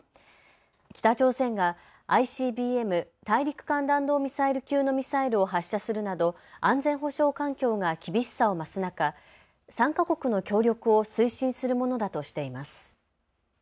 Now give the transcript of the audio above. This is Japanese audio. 北朝鮮がＩＣＢＭ・大陸間弾道ミサイル級のミサイルを発射するなど安全保障環境が厳しさを増す中、３か国の協力を推進するものだとしています。